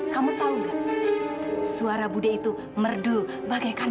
kamu pake apa itu uang han